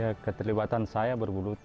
ya keterlibatan saya berbulu